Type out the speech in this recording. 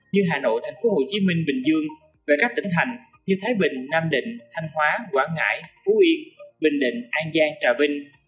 như hà nội tp hcm bình dương và các tỉnh thành như thái bình nam định thanh hóa quảng ngãi phú yên bình định an giang trà vinh